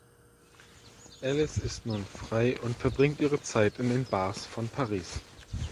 Alice ist nun frei und verbringt ihre Zeit in den Bars von Paris.